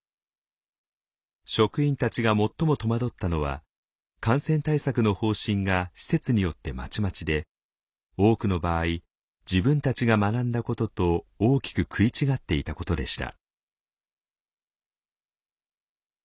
職員たちが最も戸惑ったのは感染対策の方針が施設によってまちまちで多くの場合自分たちが学んだことと大きく食い違っていたことでした。